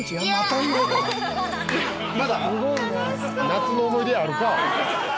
「夏の思い出」やあるか。